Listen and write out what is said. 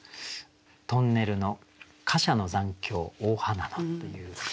「トンネルの貨車の残響大花野」っていう。